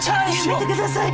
やめてください！